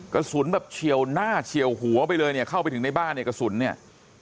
กระสุนแบบเฉียวหน้าเฉียวหัวไปเลยเนี่ยเข้าไปถึงในบ้านเนี่ยกระสุนเนี่ย